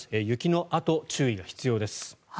雪のあと、注意が必要です。